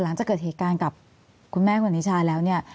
หลังจากเกิดเหตุการณ์กับคุณแม่คุณนิชาแล้วเนี่ย